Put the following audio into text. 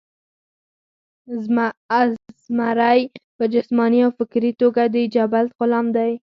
ازمرے پۀ جسماني او فکري توګه د جبلت غلام دے